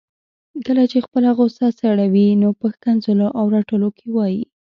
کله چي خپله غصه سړوي نو په ښکنځلو او رټلو کي وايي